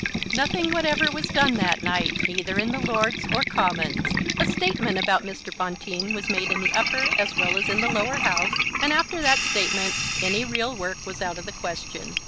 Nothing whatever was done that night, either in the Lords or Commons. A "statement" about Mr. Bonteen was made in the Upper as well as in the Lower House, and after that statement any real work was out of the question.